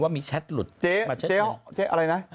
ว่ามีแชทหลุดมาเฉียดเจ๊เจ๊เจ๊เจ๊อะไรนะ